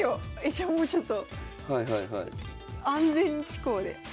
じゃあもうちょっと安全思考で。